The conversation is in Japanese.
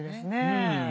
うん。